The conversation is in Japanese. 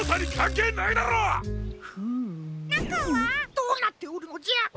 どうなっておるのじゃ？